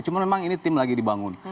cuma memang ini tim lagi dibangun